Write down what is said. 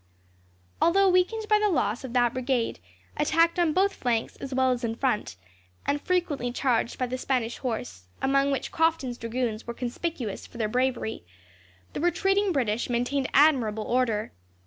Although weakened by the loss of that brigade, attacked on both flanks as well as in front, and frequently charged by the Spanish horse, among which Crofton's dragoons were conspicuous for their bravery, the retreating British maintained admirable order.